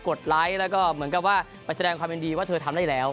ดไลค์แล้วก็เหมือนกับว่าไปแสดงความยินดีว่าเธอทำได้แล้ว